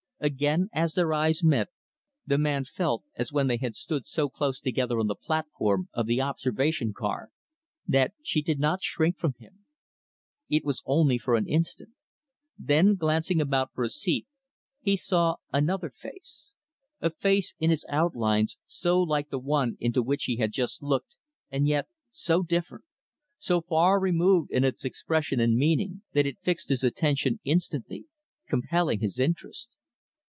Again, as their eyes met, the man felt as when they had stood so close together on the platform of the observation car that she did not shrink from him. It was only for an instant. Then, glancing about for a seat, he saw another face a face, in its outlines, so like the one into which he had just looked, and yet so different so far removed in its expression and meaning that it fixed his attention instantly compelling his interest.